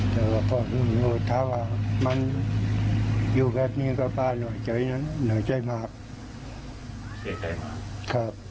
แต่ว่าเขาอยู่เท่าไหร่มันอยู่แบบนี้ก็เปล่าหน่อยใจมาก